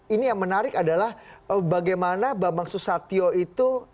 ini yang menarik adalah bagaimana bambang susatyo itu